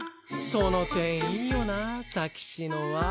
その点いいよなザキシノは。